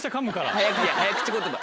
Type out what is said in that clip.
早口言葉。